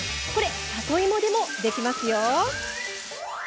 里芋でもできますよ。